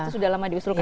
sudah lama diusulkan